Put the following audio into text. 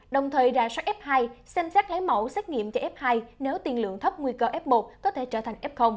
đồng thời ra soát f hai xem xét lấy mẫu xét nghiệm cho f hai nếu tiên lượng thấp nguy cơ f một có thể trở thành f